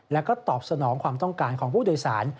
และสนองความต้องการของผู้โดยสาร